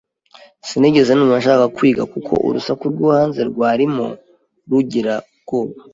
Sinigeze numva nshaka kwiga kuko urusaku rwo hanze rwarimo rugira ubwoba.